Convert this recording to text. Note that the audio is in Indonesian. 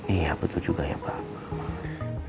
iya betul juga ya pak